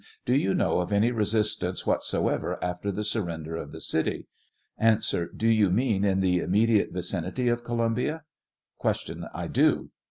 Do you know of any resistance whatsoever after the surrender of the city ? A. Do you mean in the immediate vicinity of Co lumbia ? 44 Q. I do.